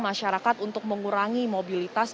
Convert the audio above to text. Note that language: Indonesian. masyarakat untuk mengurangi mobilitas